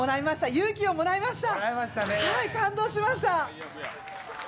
勇気をもらいました。